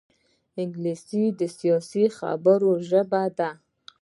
انګلیسي د سیاسي خبرو ژبه ده